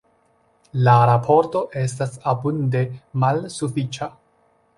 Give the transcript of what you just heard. La raporto estas abunde malsufiĉa.